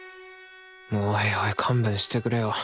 おいおい勘弁してくれよ。